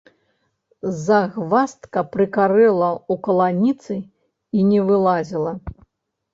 Загваздка прыкарэла ў каланіцы і не вылазіла.